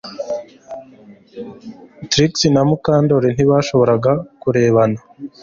Trix na Mukandoli ntibashoboraga kurebana